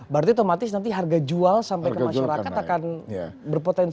berarti otomatis nanti harga jual sampai ke masyarakat akan berpotensi